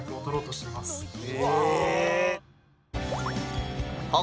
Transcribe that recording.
うわ！